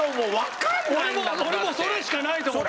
俺もそれしかないと思った。